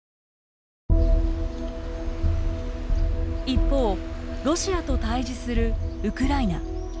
一方、ロシアと対じするウクライナ。